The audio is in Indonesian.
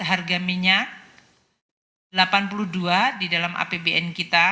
harga minyak rp delapan puluh dua di dalam apbn kita